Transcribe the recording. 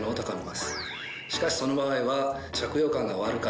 しかしその場合は。